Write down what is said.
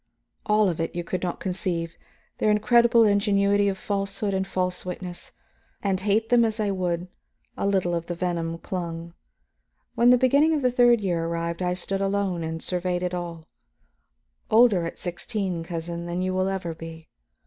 All of it you could not conceive, their incredible ingenuity of falsehood and false witness. And hate them as I would, a little of the venom clung. When the beginning of the third year arrived, I stood alone and surveyed it all; older at sixteen, cousin, than you will ever be.